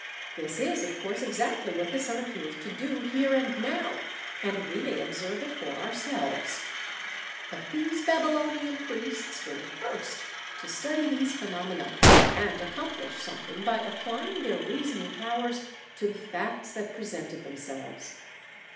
This is, of course, exactly what the sun appears to do here and now, and we may observe it for ourselves. But these Babylonian priests were the first to study these phenomena and accomplish something by applying their reasoning powers to the facts that presented themselves.